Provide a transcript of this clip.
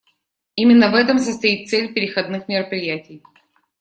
Именно в этом состоит цель переходных мероприятий.